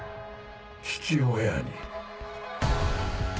父親に。